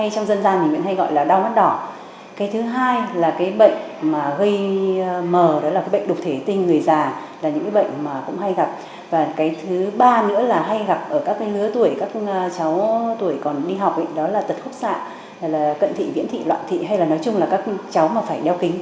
các cháu tuổi còn đi học đó là tật khúc xạ cận thị viễn thị loạn thị hay là nói chung là các cháu mà phải đeo kính